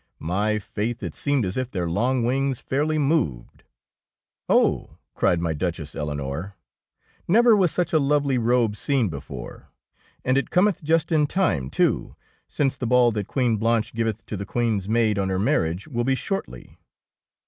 My faith, it seemeth as if their long wings fairly moved ! "Oh,'' cried my Duchess Eleonore, " never was such a lovely robe seen be fore, and it cometh just in time, too, since the ball that Queen Blanche giveth to the Queen's maid on her marriage will be shortly."